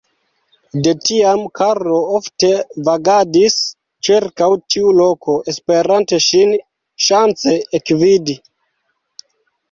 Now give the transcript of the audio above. De tiam Karlo ofte vagadis ĉirkaŭ tiu loko, esperante ŝin ŝance ekvidi.